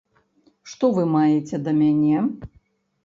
Што вы маеце да мяне?